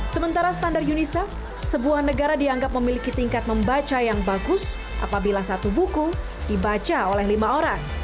sementara standar unisa sebuah negara dianggap memiliki tingkat membaca yang bagus apabila satu buku dibaca oleh lima orang